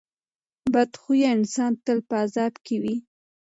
بد خویه انسان تل په عذاب کې وي.